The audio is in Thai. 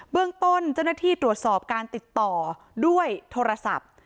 เรื่องต้นเจ้าหน้าที่ตรวจสอบการติดต่อด้วยโทรศัพท์